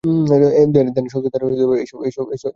ধ্যানের শক্তি দ্বারাই এইসব লোকে যাইতে পার।